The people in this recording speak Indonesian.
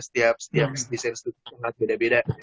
setiap desain studi berbeda beda